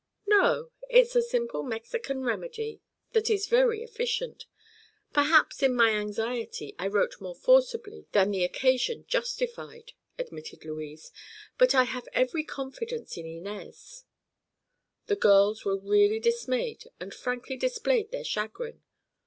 "No; it's a simple Mexican remedy that is very efficient. Perhaps, in my anxiety, I wrote more forcibly than the occasion justified," admitted Louise; "but I have every confidence in Inez." The girls were really dismayed and frankly displayed their chagrin.